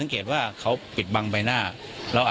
เป็นวันที่๑๕ธนวาคมแต่คุณผู้ชมค่ะกลายเป็นวันที่๑๕ธนวาคม